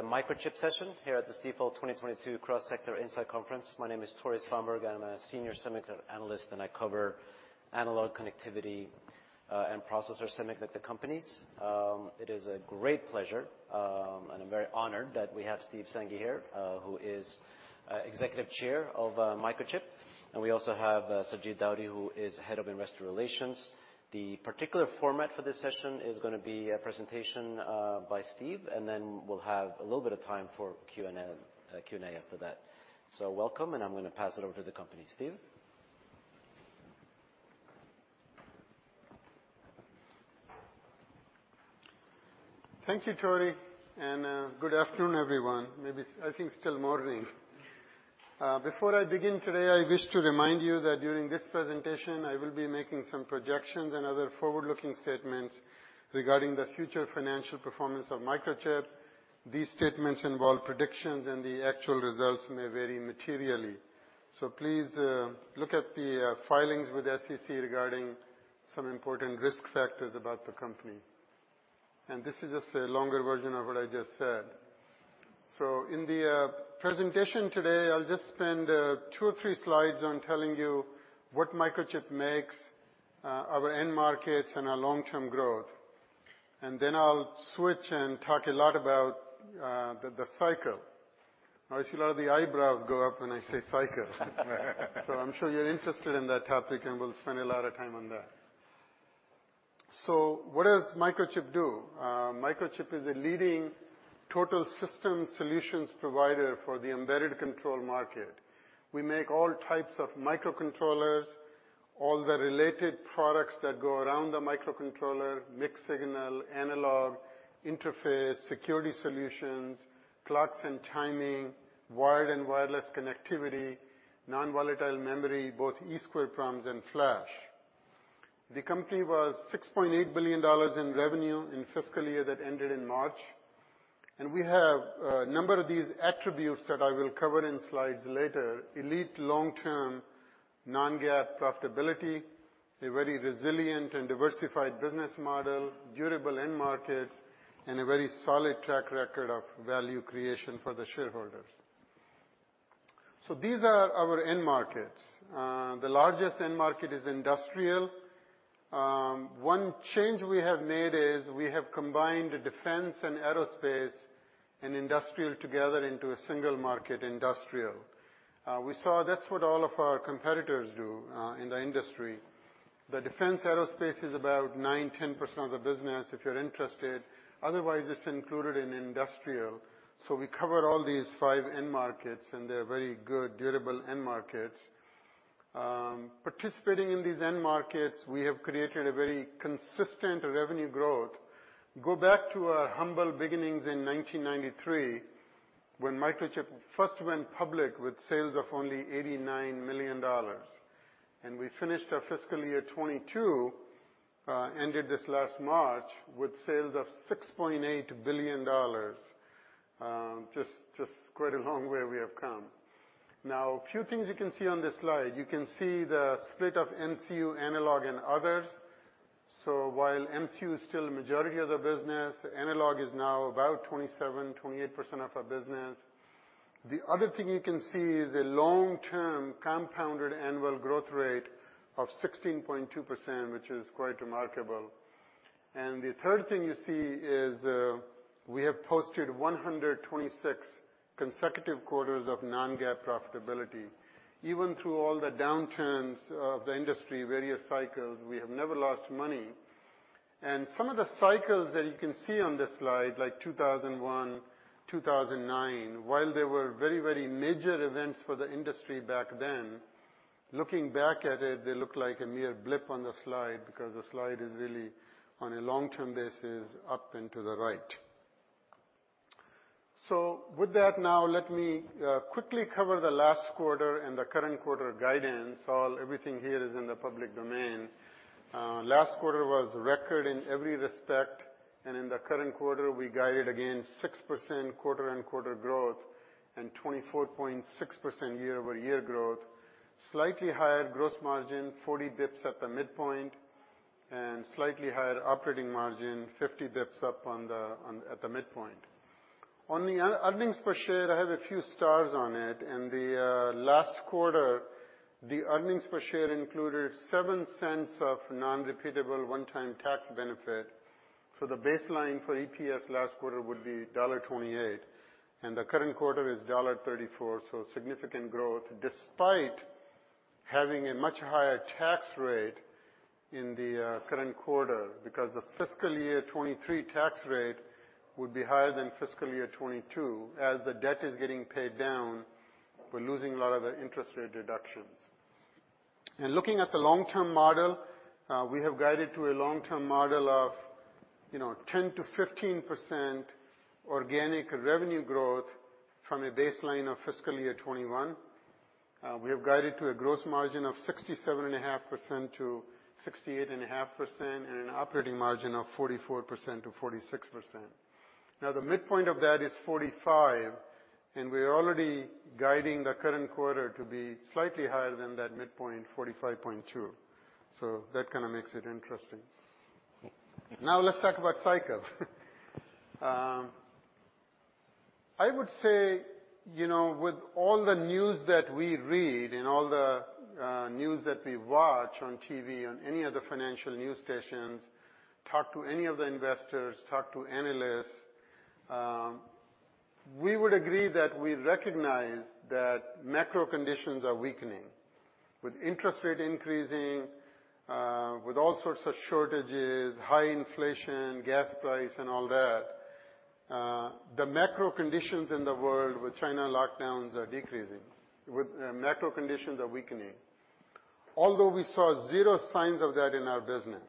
The Microchip session here at the Stifel 2022 Cross Sector Insight Conference. My name is Tore Svanberg. I'm a senior semiconductor analyst, and I cover analog connectivity, and processor semiconductor companies. It is a great pleasure, and I'm very honored that we have Steve Sanghi here, who is Executive Chair of Microchip. We also have Sajid Daudi, who is Head of Investor Relations. The particular format for this session is gonna be a presentation by Steve, and then we'll have a little bit of time for Q&A after that. Welcome, and I'm gonna pass it over to the company. Steve. Thank you, Tore, and good afternoon, everyone. I think it's still morning. Before I begin today, I wish to remind you that during this presentation, I will be making some projections and other forward-looking statements regarding the future financial performance of Microchip. These statements involve predictions, and the actual results may vary materially. Please look at the filings with SEC regarding some important risk factors about the company. This is just a longer version of what I just said. In the presentation today, I'll just spend two or three slides on telling you what Microchip makes, our end markets and our long-term growth. Then I'll switch and talk a lot about the cycle. Now I see a lot of the eyebrows go up when I say cycle. I'm sure you're interested in that topic, and we'll spend a lot of time on that. What does Microchip do? Microchip is a leading total system solutions provider for the embedded control market. We make all types of microcontrollers, all the related products that go around the microcontroller, mixed-signal, analog, interface, security solutions, clocks and timing, wired and wireless connectivity, nonvolatile memory, both EEPROM and flash. The company was $6.8 billion in revenue in fiscal year that ended in March, and we have a number of these attributes that I will cover in slides later, elite long-term non-GAAP profitability, a very resilient and diversified business model, durable end markets, and a very solid track record of value creation for the shareholders. These are our end markets. The largest end market is industrial. One change we have made is we have combined defense and aerospace and industrial together into a single market, industrial. We saw that's what all of our competitors do in the industry. The defense aerospace is about 9-10% of the business, if you're interested. Otherwise, it's included in industrial. We cover all these 5 end markets, and they're very good, durable end markets. Participating in these end markets, we have created a very consistent revenue growth. Go back to our humble beginnings in 1993, when Microchip first went public with sales of only $89 million. We finished our fiscal year 2022, ended this last March, with sales of $6.8 billion. Quite a long way we have come. Now, a few things you can see on this slide. You can see the split of MCU, analog, and others. While MCU is still a majority of the business, analog is now about 27-28% of our business. The other thing you can see is a long-term compounded annual growth rate of 16.2%, which is quite remarkable. The third thing you see is, we have posted 126 consecutive quarters of non-GAAP profitability. Even through all the downturns of the industry, various cycles, we have never lost money. Some of the cycles that you can see on this slide, like 2001, 2009, while they were very, very major events for the industry back then, looking back at it, they look like a mere blip on the slide because the slide is really on a long-term basis up and to the right. With that, now let me quickly cover the last quarter and the current quarter guidance. Everything here is in the public domain. Last quarter was record in every respect, and in the current quarter, we guided again 6% quarter-over-quarter growth and 24.6% year-over-year growth. Slightly higher gross margin, 40 basis points at the midpoint, and slightly higher operating margin, 50 basis points up at the midpoint. On the earnings per share, I have a few stars on it. In the last quarter, the earnings per share included $0.07 of non-repeatable one-time tax benefit. The baseline for EPS last quarter would be $1.28, and the current quarter is $1.34, significant growth despite having a much higher tax rate in the current quarter. Because the fiscal year 2023 tax rate would be higher than fiscal year 2022. As the debt is getting paid down, we're losing a lot of the interest rate deductions. Looking at the long-term model, we have guided to a long-term model of 10%-15% organic revenue growth from a baseline of fiscal year 2021. We have guided to a gross margin of 67.5%-68.5% and an operating margin of 44%-46%. The midpoint of that is 45%. We're already guiding the current quarter to be slightly higher than that midpoint 45.2%. That kind of makes it interesting. Now let's talk about cycle. I would say, you know, with all the news that we read and all the news that we watch on TV, on any of the financial news stations, talk to any of the investors, talk to analysts, we would agree that we recognize that macro conditions are weakening. With interest rate increasing, with all sorts of shortages, high inflation, gas price and all that, the macro conditions in the world with China lockdowns are decreasing. Although we saw zero signs of that in our business.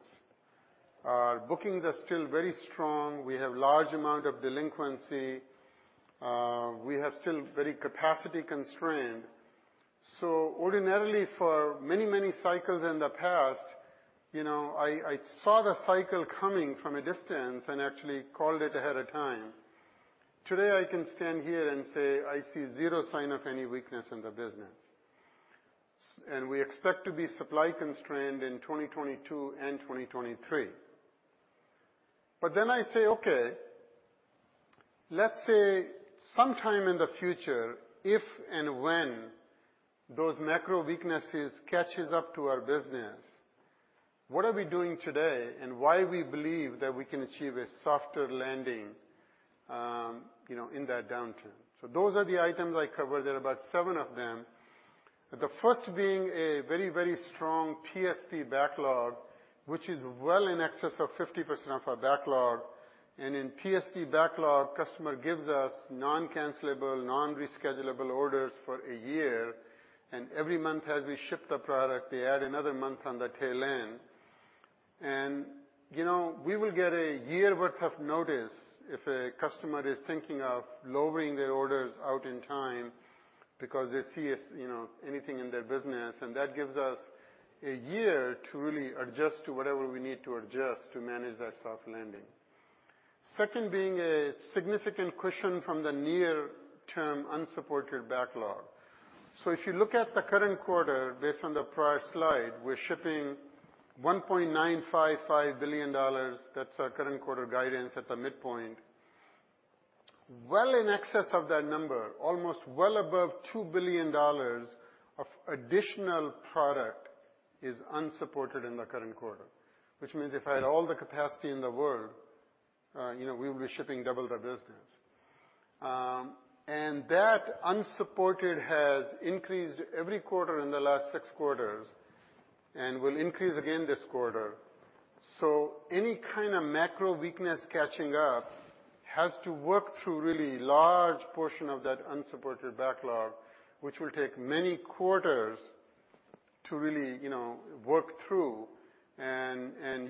Our bookings are still very strong. We have large amount of delinquency. We have still very capacity constraint. So ordinarily, for many, many cycles in the past, you know, I saw the cycle coming from a distance and actually called it ahead of time. Today, I can stand here and say, I see zero sign of any weakness in the business. We expect to be supply constrained in 2022 and 2023. I say, okay, let's say sometime in the future, if and when those macro weaknesses catches up to our business, what are we doing today and why we believe that we can achieve a softer landing, you know, in that downturn? Those are the items I covered. There are about seven of them. The first being a very, very strong PSP backlog, which is well in excess of 50% of our backlog. In PSP backlog, customer gives us non-cancelable, non-reschedulable orders for a year. Every month, as we ship the product, they add another month on the tail end. You know, we will get a year worth of notice if a customer is thinking of lowering their orders out in time because they see us, you know, anything in their business, and that gives us a year to really adjust to whatever we need to adjust to manage that soft landing. Second being a significant cushion from the near-term unsupported backlog. If you look at the current quarter based on the prior slide, we're shipping $1.955 billion. That's our current quarter guidance at the midpoint. Well in excess of that number, almost well above $2 billion of additional product is unsupported in the current quarter. Which means if I had all the capacity in the world, you know, we would be shipping double the business. That unshipped has increased every quarter in the last six quarters and will increase again this quarter. Any kind of macro weakness catching up has to work through really large portion of that unshipped backlog, which will take many quarters to really, you know, work through.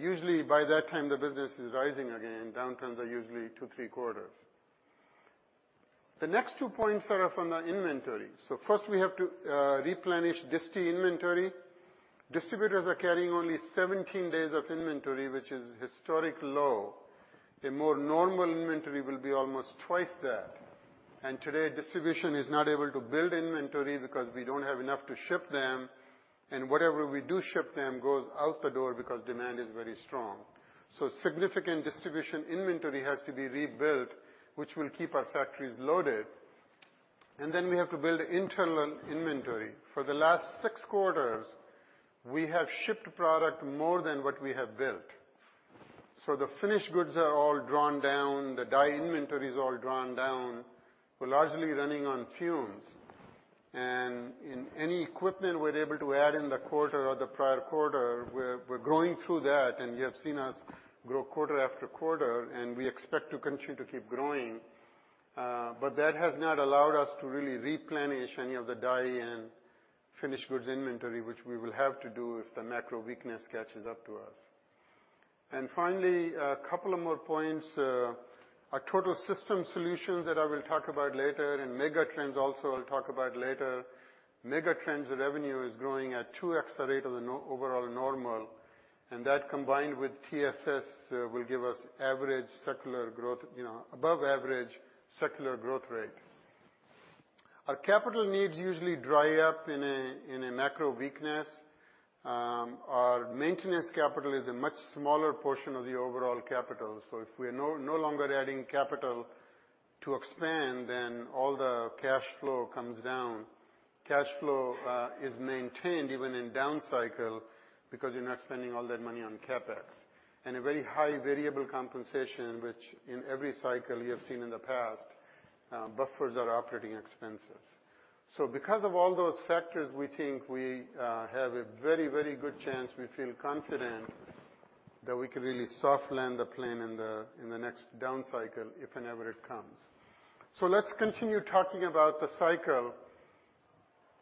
Usually by that time, the business is rising again. Downturns are usually two, three quarters. The next two points are from the inventory. First, we have to replenish disty inventory. Distributors are carrying only 17 days of inventory, which is historical low. A more normal inventory will be almost twice that. Today, distribution is not able to build inventory because we don't have enough to ship them, and whatever we do ship them goes out the door because demand is very strong. Significant distribution inventory has to be rebuilt, which will keep our factories loaded. We have to build internal inventory. For the last 6 quarters, we have shipped product more than what we have built. The finished goods are all drawn down. The die inventory is all drawn down. We're largely running on fumes. In any equipment we're able to add in the quarter or the prior quarter, we're growing through that. You have seen us grow quarter after quarter, and we expect to continue to keep growing. That has not allowed us to really replenish any of the die and finished goods inventory, which we will have to do if the macro weakness catches up to us. Finally, a couple of more points. Our Total System Solutions that I will talk about later and mega trends also I'll talk about later. Megatrends revenue is growing at 2x the rate of the normal overall, and that combined with TSS will give us, you know, above average secular growth rate. Our capital needs usually dry up in a macro weakness. Our maintenance capital is a much smaller portion of the overall capital. If we're no longer adding capital to expand, then all the cash flow comes down. Cash flow is maintained even in down cycle because you're not spending all that money on CapEx. A very high variable compensation, which in every cycle you have seen in the past, buffers our operating expenses. Because of all those factors, we think we have a very good chance. We feel confident that we can really soft land the plane in the next down cycle if it ever comes. Let's continue talking about the cycle.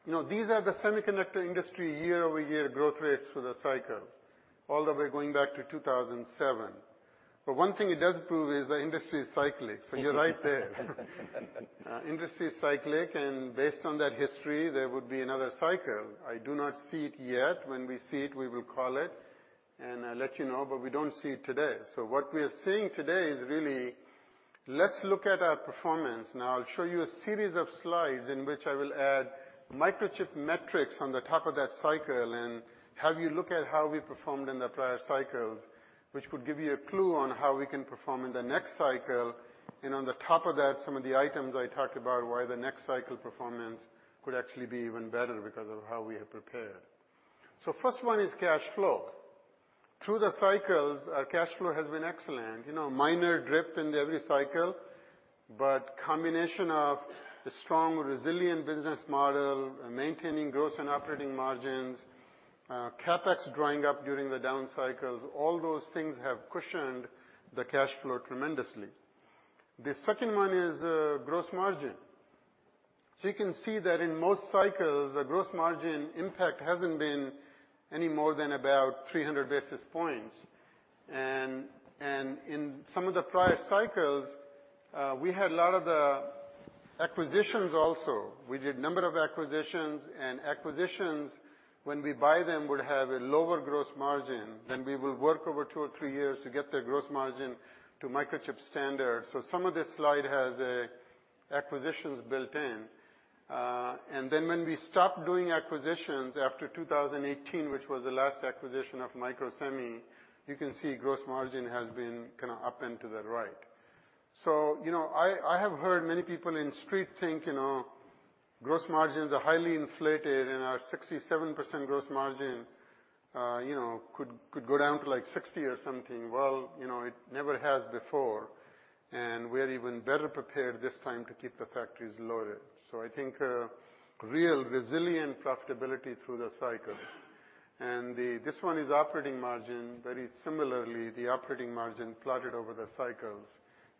You know, these are the semiconductor industry year-over-year growth rates for the cycle, all the way going back to 2007. One thing it does prove is the industry is cyclic. You're right there. Industry is cyclic, and based on that history, there would be another cycle. I do not see it yet. When we see it, we will call it. And I'll let you know, but we don't see it today. What we are seeing today is really, let's look at our performance. Now I'll show you a series of slides in which I will add Microchip metrics on top of that cycle and have you look at how we performed in the prior cycles, which could give you a clue on how we can perform in the next cycle. On top of that, some of the items I talked about. Why the next cycle performance could actually be even better because of how we have prepared. First one is cash flow. Through the cycles, our cash flow has been excellent. You know, minor dip in every cycle, but combination of the strong, resilient business model, maintaining gross and operating margins, low CapEx during the down cycles, all those things have cushioned the cash flow tremendously. The second one is gross margin. You can see that in most cycles, the gross margin impact hasn't been any more than about 300 basis points. In some of the prior cycles, we had a lot of the acquisitions also. We did a number of acquisitions, and acquisitions, when we buy them, would have a lower gross margin. Then we will work over two or three years to get their gross margin to Microchip standard. Some of this slide has acquisitions built in. When we stopped doing acquisitions after 2018, which was the last acquisition of Microsemi, you can see gross margin has been kinda up and to the right. You know, I have heard many people on the Street think, you know, gross margins are highly inflated and our 67% gross margin, you know, could go down to like 60% or something. Well, you know, it never has before, and we're even better prepared this time to keep the factories loaded. I think real resilient profitability through the cycles. This one is operating margin. Very similarly, the operating margin plotted over the cycles,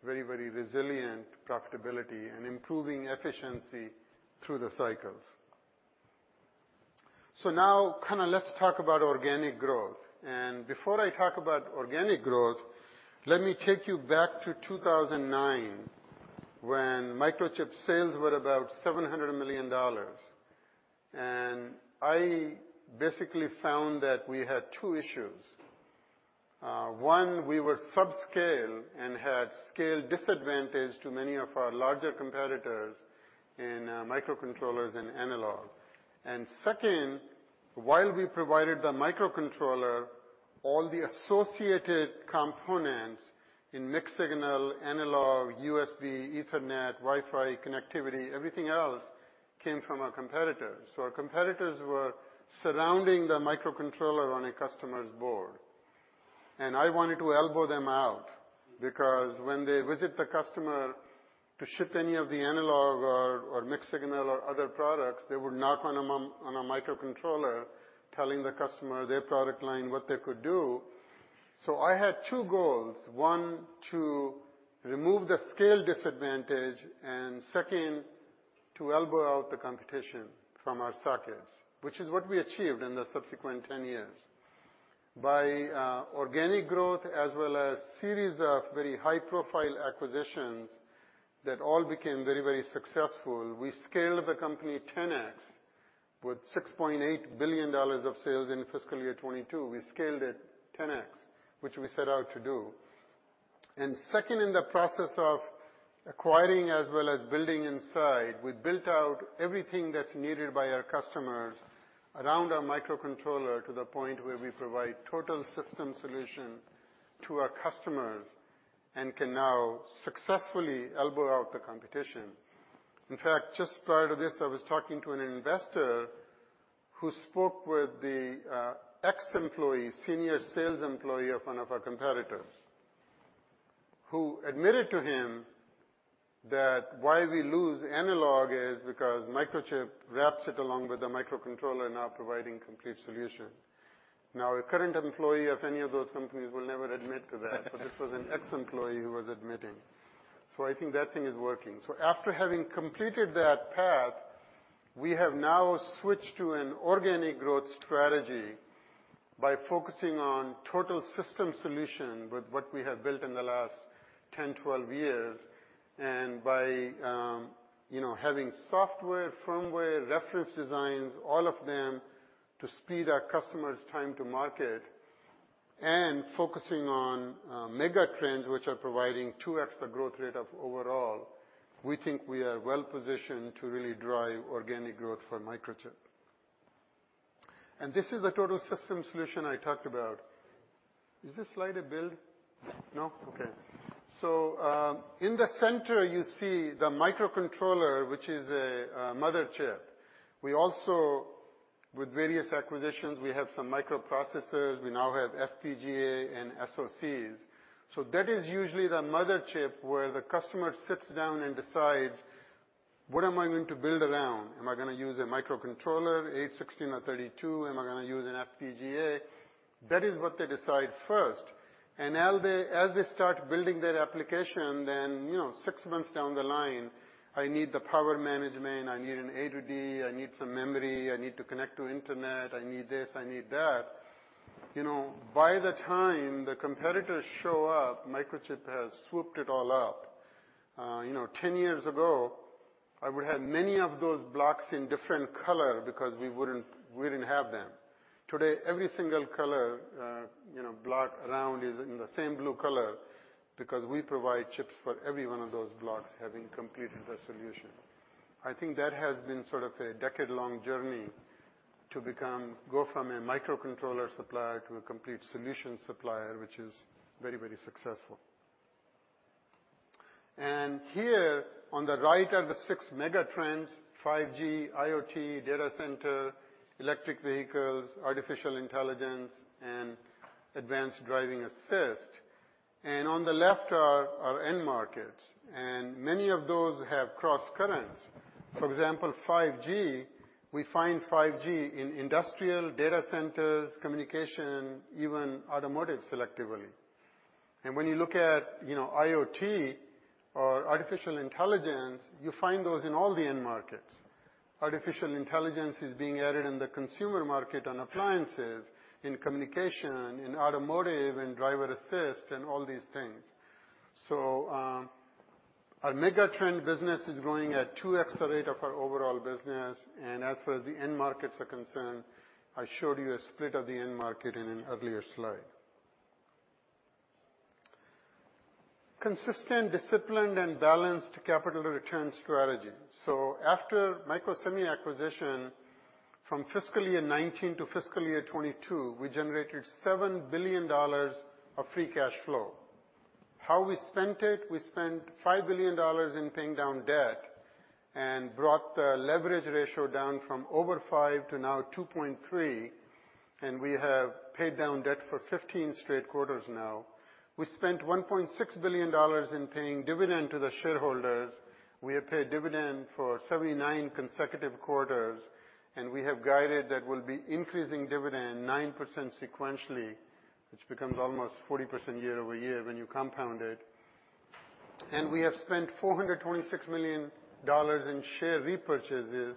very, very resilient profitability and improving efficiency through the cycles. Now kinda let's talk about organic growth. Before I talk about organic growth, let me take you back to 2009, when Microchip sales were about $700 million. I basically found that we had two issues. One, we were subscale and had scale disadvantage to many of our larger competitors in microcontrollers and analog. Second, while we provided the microcontroller, all the associated components in mixed-signal, analog, USB, Ethernet, Wi-Fi, connectivity, everything else came from our competitors. Our competitors were surrounding the microcontroller on a customer's board. I wanted to elbow them out because when they visit the customer to ship any of the analog or mixed-signal or other products, they would knock on a microcontroller telling the customer their product line, what they could do. I had two goals. One, to remove the scale disadvantage, and second, to elbow out the competition from our sockets, which is what we achieved in the subsequent 10 years. Organic growth as well as a series of very high-profile acquisitions that all became very, very successful, we scaled the company 10x with $6.8 billion of sales in fiscal year 2022. We scaled it 10x, which we set out to do. Second, in the process of acquiring as well as building inside, we built out everything that's needed by our customers around our microcontroller to the point where we provide total system solution to our customers and can now successfully elbow out the competition. In fact, just prior to this, I was talking to an investor who spoke with the ex-employee, senior sales employee of one of our competitors, who admitted to him that why we lose in analog is because Microchip wraps it along with the microcontroller now providing complete solution. Now a current employee of any of those companies will never admit to that. This was an ex-employee who was admitting. I think that thing is working. After having completed that path, we have now switched to an organic growth strategy by focusing on Total System Solution with what we have built in the last 10, 12 years, and by you know having software, firmware, reference designs, all of them to speed our customers' time to market and focusing on mega trends which are providing 2x the growth rate overall. We think we are well positioned to really drive organic growth for Microchip. This is the Total System Solution I talked about. Is this slide a build? No? Okay. In the center, you see the microcontroller, which is a Microchip. We also, with various acquisitions, we have some microprocessors. We now have FPGA and SoCs. That is usually the mother chip where the customer sits down and decides, "What am I going to build around? Am I gonna use a microcontroller, 8, 16, or 32? Am I gonna use an FPGA?" That is what they decide first. As they start building their application, then, you know, 6 months down the line, I need the power management, I need an A-to-D, I need some memory, I need to connect to internet, I need this, I need that. You know, by the time the competitors show up, Microchip has swooped it all up. You know, 10 years ago, I would have many of those blocks in different color because we didn't have them. Today, every single color, you know, block around is in the same blue color because we provide chips for every one of those blocks, having completed the solution. I think that has been sort of a decade-long journey to go from a microcontroller supplier to a complete solution supplier, which is very, very successful. Here on the right are the six megatrends, 5G, IoT, data center, electric vehicles, artificial intelligence, and advanced driving assist. On the left are our end markets, and many of those have crosscurrents. For example, 5G, we find 5G in industrial data centers, communication, even automotive selectively. When you look at, you know, IoT or artificial intelligence, you find those in all the end markets. Artificial intelligence is being added in the consumer market on appliances, in communication, in automotive, in driver assist, and all these things. Our megatrend business is growing at 2x the rate of our overall business. As far as the end markets are concerned, I showed you a split of the end market in an earlier slide. Consistent, disciplined, and balanced capital return strategy. After Microsemi acquisition, from fiscal year 2019 to fiscal year 2022, we generated $7 billion of free cash flow. How we spent it, we spent $5 billion in paying down debt and brought the leverage ratio down from over 5 to now 2.3, and we have paid down debt for 15 straight quarters now. We spent $1.6 billion in paying dividend to the shareholders. We have paid dividend for 79 consecutive quarters, and we have guided that we'll be increasing dividend 9% sequentially, which becomes almost 40% year-over-year when you compound it. We have spent $426 million in share repurchases.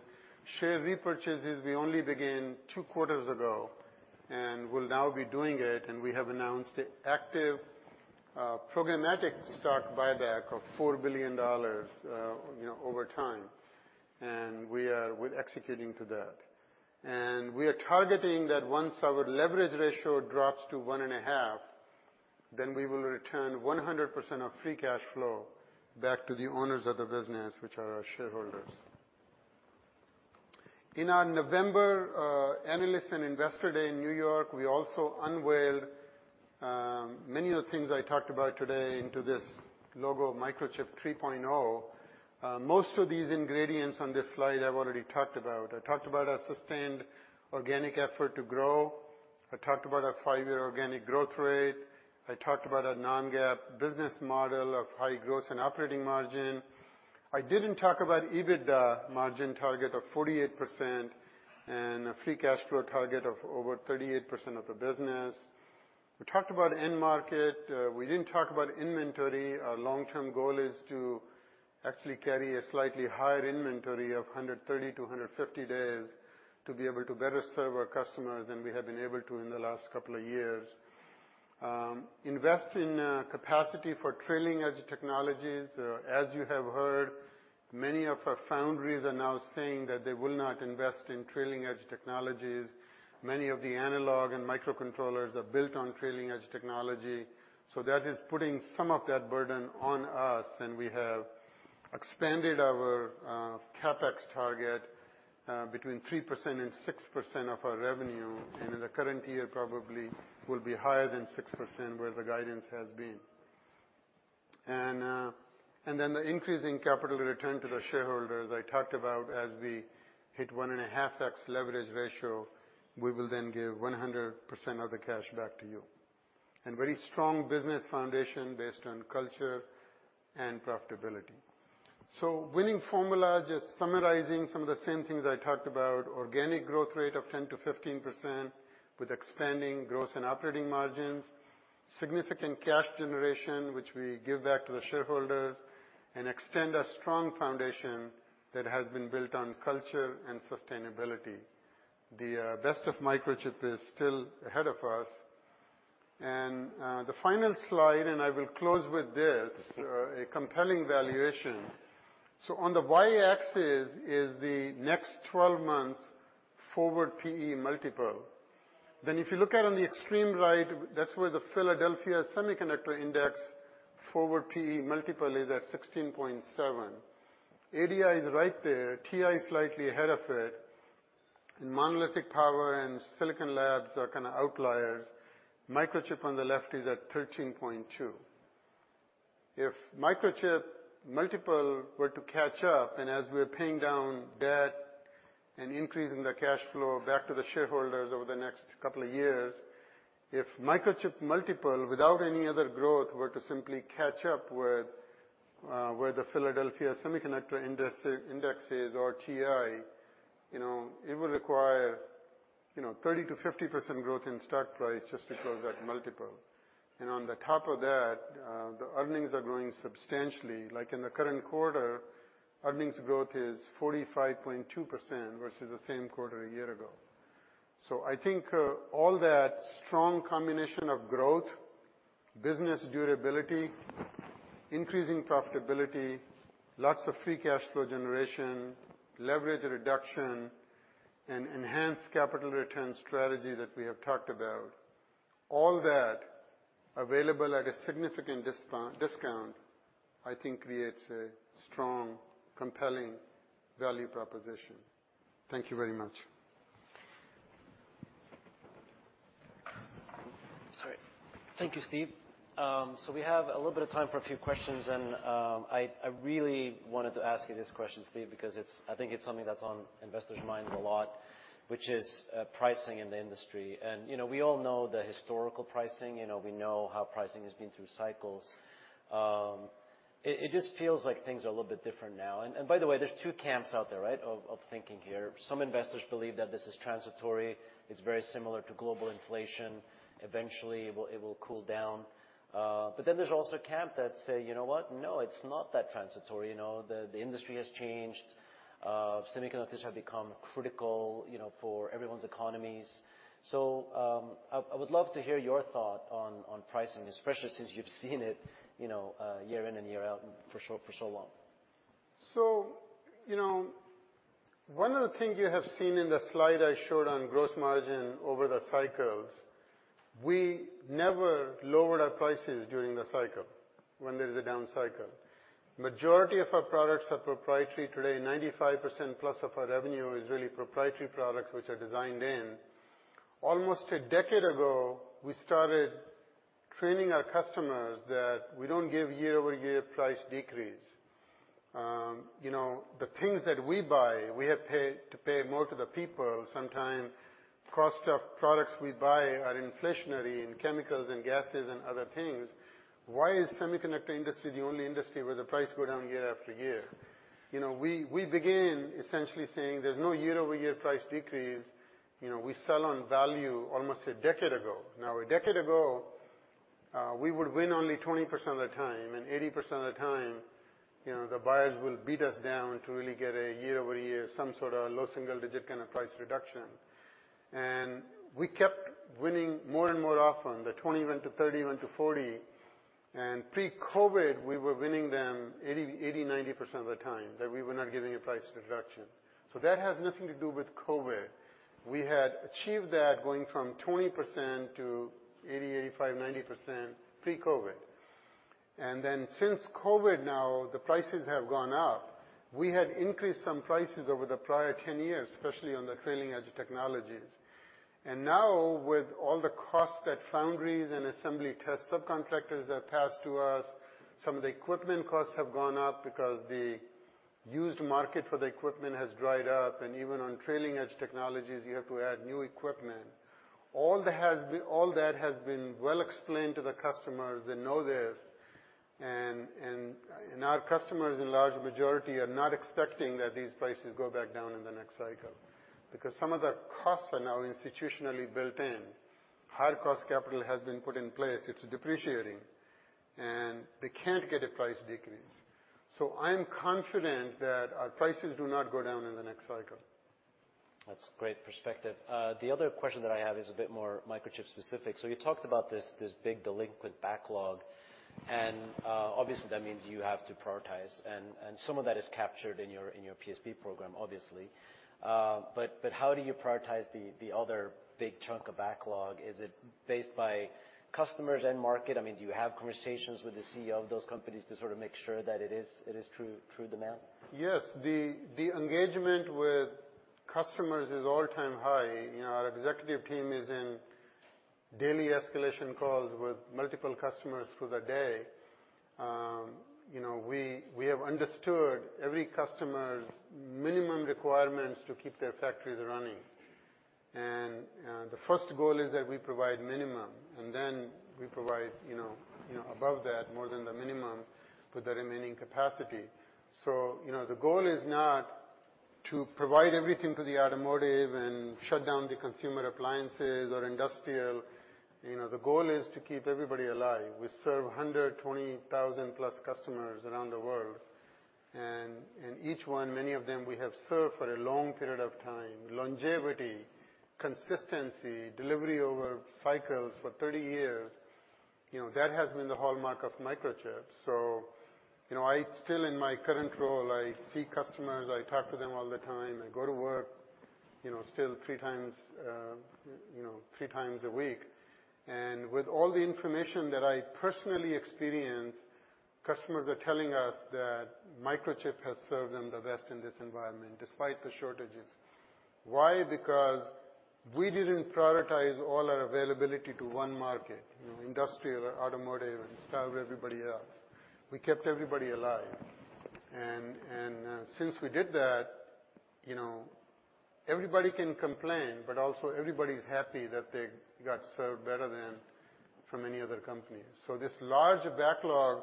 Share repurchases, we only began 2 quarters ago and will now be doing it. We have announced active, programmatic stock buyback of $4 billion, you know, over time, and we are executing to that. We are targeting that once our leverage ratio drops to 1.5, then we will return 100% of free cash flow back to the owners of the business, which are our shareholders. In our November Analyst and Investor Day in New York, we also unveiled many of the things I talked about today into this logo, Microchip 3.0. Most of these ingredients on this slide I've already talked about. I talked about our sustained organic effort to grow. I talked about our 5-year organic growth rate. I talked about our non-GAAP business model of high gross and operating margin. I didn't talk about EBITDA margin target of 48% and a free cash flow target of over 38% of the business. We talked about end market. We didn't talk about inventory. Our long-term goal is to actually carry a slightly higher inventory of 130-150 days to be able to better serve our customers than we have been able to in the last couple of years. Invest in capacity for trailing-edge technologies. As you have heard, many of our foundries are now saying that they will not invest in trailing-edge technologies. Many of the analog and microcontrollers are built on trailing-edge technology, so that is putting some of that burden on us. We have expanded our CapEx target between 3% and 6% of our revenue. In the current year probably will be higher than 6%, where the guidance has been. Then the increasing capital return to the shareholders I talked about. As we hit 1.5x leverage ratio, we will then give 100% of the cash back to you. Very strong business foundation based on culture and profitability. Winning formula, just summarizing some of the same things I talked about. Organic growth rate of 10%-15% with expanding gross and operating margins. Significant cash generation, which we give back to the shareholders and extend a strong foundation that has been built on culture and sustainability. The best of Microchip is still ahead of us. The final slide, and I will close with this, a compelling valuation. On the Y-axis is the next 12 months forward PE multiple. If you look at on the extreme right, that's where the Philadelphia Semiconductor Index forward PE multiple is at 16.7. ADI is right there. TI is slightly ahead of it. And Monolithic Power and Silicon Labs are kind of outliers. Microchip on the left is at 13.2. If Microchip multiple were to catch up, and as we're paying down debt and increasing the cash flow back to the shareholders over the next couple of years, if Microchip multiple, without any other growth, were to simply catch up with, where the Philadelphia Semiconductor Index is or TI, you know, it would require, you know, 30%-50% growth in stock price just to close that multiple. On top of that, the earnings are growing substantially. Like in the current quarter, earnings growth is 45.2% versus the same quarter a year ago. I think all that strong combination of growth, business durability, increasing profitability, lots of free cash flow generation, leverage reduction, and enhanced capital return strategy that we have talked about, all that available at a significant discount, I think creates a strong, compelling value proposition. Thank you very much. Sorry. Thank you, Steve. We have a little bit of time for a few questions, and I really wanted to ask you this question, Steve, because I think it's something that's on investors' minds a lot, which is pricing in the industry. You know, we all know the historical pricing. You know, we know how pricing has been through cycles. It just feels like things are a little bit different now. By the way, there's two camps out there, right, of thinking here. Some investors believe that this is transitory, it's very similar to global inflation. Eventually it will cool down. There's also a camp that say, "You know what? No, it's not that transitory. You know, the industry has changed. Semiconductors have become critical, you know, for everyone's economies." I would love to hear your thought on pricing, especially since you've seen it, you know, year in and year out for so long. You know, one of the things you have seen in the slide I showed on gross margin over the cycles, we never lowered our prices during the cycle when there's a down cycle. Majority of our products are proprietary today. 95% plus of our revenue is really proprietary products which are designed in. Almost a decade ago, we started training our customers that we don't give year-over-year price decreases. You know, the things that we buy, we have had to pay more to the people, sometimes cost of products we buy are inflationary in chemicals and gases and other things. Why is semiconductor industry the only industry where the prices go down year after year? You know, we began essentially saying there's no year-over-year price decrease. You know, we sell on value almost a decade ago. Now, a decade ago, we would win only 20% of the time, and 80% of the time, you know, the buyers will beat us down to really get a year-over-year, some sort of low single-digit kind of price reduction. We kept winning more and more often. The 20 went to 30, went to 40. Pre-COVID, we were winning them eighty, ninety percent of the time, that we were not giving a price reduction. That has nothing to do with COVID. We had achieved that going from 20% to eighty-five, 90% pre-COVID. Then since COVID now, the prices have gone up. We had increased some prices over the prior ten years, especially on the trailing-edge technologies. Now with all the costs that foundries and assembly test subcontractors have passed to us, some of the equipment costs have gone up because the used market for the equipment has dried up, and even on trailing-edge technologies, you have to add new equipment. All that has been well explained to the customers. They know this. Our customers in large majority are not expecting that these prices go back down in the next cycle, because some of the costs are now institutionally built in. High-cost capital has been put in place. It's depreciating. They can't get a price decrease. I'm confident that our prices do not go down in the next cycle. That's great perspective. The other question that I have is a bit more Microchip specific. So you talked about this big delinquent backlog, and obviously, that means you have to prioritize and some of that is captured in your PSP program, obviously. But how do you prioritize the other big chunk of backlog? Is it based by customers and market? I mean, do you have conversations with the CEO of those companies to sort of make sure that it is true demand? Yes. The engagement with customers is all-time high. You know, our executive team is in daily escalation calls with multiple customers through the day. You know, we have understood every customer's minimum requirements to keep their factories running. The first goal is that we provide minimum, and then we provide, you know, above that, more than the minimum with the remaining capacity. You know, the goal is not to provide everything to the automotive and shut down the consumer appliances or industrial. You know, the goal is to keep everybody alive. We serve 120,000 plus customers around the world, and in each one, many of them we have served for a long period of time. Longevity, consistency, delivery over cycles for 30 years, you know, that has been the hallmark of Microchip. You know, I still, in my current role, I see customers, I talk to them all the time. I go to work, you know, still three times, you know, three times a week. With all the information that I personally experience, customers are telling us that Microchip has served them the best in this environment, despite the shortages. Why? Because we didn't prioritize all our availability to one market, you know, industrial or automotive and starve everybody else. We kept everybody alive. Since we did that, you know, everybody can complain, but also everybody's happy that they got served better than from any other company. This large backlog,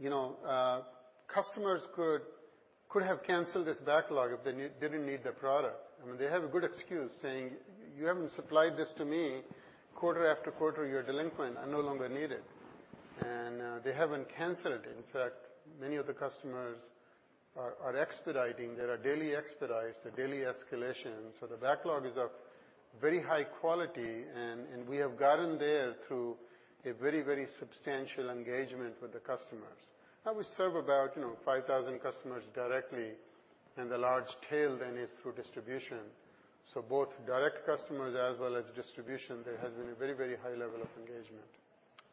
you know, customers could have canceled this backlog if they didn't need the product. I mean, they have a good excuse saying, "You haven't supplied this to me quarter after quarter, you're delinquent, I no longer need it." They haven't canceled it. In fact, many of the customers are expediting. They are daily expedites, they're daily escalations. The backlogs are very high quality and we have gotten there through a very, very substantial engagement with the customers. We serve about, you know, 5,000 customers directly, and the large tail then is through distribution. Both direct customers as well as distribution, there has been a very, very high level of engagement.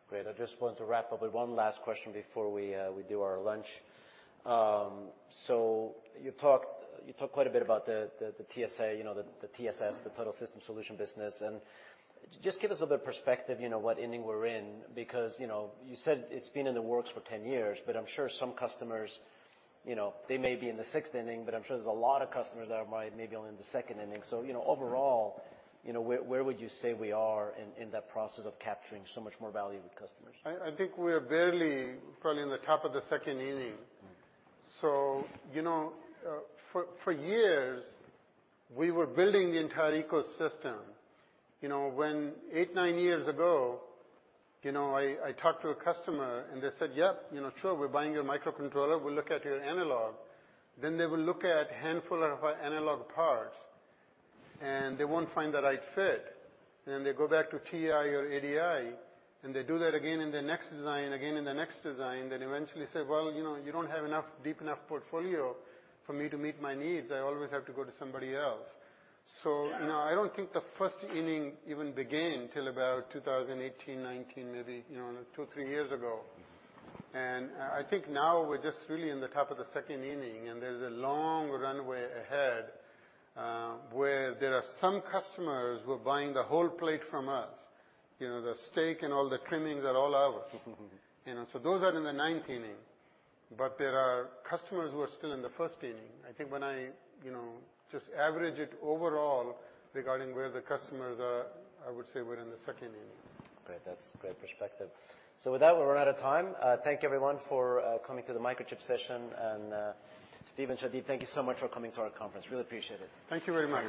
Great. I just want to wrap up with one last question before we do our lunch. So you talked quite a bit about the TSS, you know, the TSS, the Total System Solution business. Just give us a bit of perspective, you know, what inning we're in because, you know, you said it's been in the works for 10 years, but I'm sure some customers, you know, they may be in the sixth inning, but I'm sure there's a lot of customers that might maybe only in the second inning. Overall, you know, where would you say we are in that process of capturing so much more value with customers? I think we're barely probably in the top of the second inning. Mm. You know, for years, we were building the entire ecosystem. You know, when 8, 9 years ago, you know, I talked to a customer and they said, "Yep, you know, sure, we're buying your microcontroller. We'll look at your analog." Then they will look at handful of our analog parts, and they won't find the right fit, and they go back to TI or ADI, and they do that again in the next design and again in the next design. Then eventually say, "Well, you know, you don't have enough deep enough portfolio for me to meet my needs. I always have to go to somebody else. Yeah. You know, I don't think the first inning even began till about 2018, 2019, maybe, you know, 2, 3 years ago. I think now we're just really in the top of the second inning, and there's a long runway ahead, where there are some customers who are buying the whole plate from us. You know, the steak and all the trimmings are all ours. You know, those are in the ninth inning. There are customers who are still in the first inning. I think when I, you know, just average it overall regarding where the customers are, I would say we're in the second inning. Great. That's great perspective. With that, we're out of time. Thank you everyone for coming to the Microchip session. Steve and Sajid Daudi, thank you so much for coming to our conference. Really appreciate it. Thank you very much.